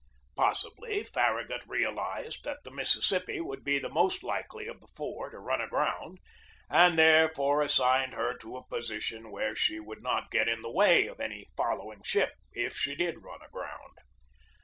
Pos sibly Farragut realized that the Mississippi would be the most likely of the four to run aground, and therefore assigned her to a position where she would not get in the way of any following ship if she did run aground.